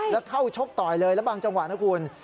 แล้วเข้าชกต่อยเลยแล้วบางจังหวะนะคุณ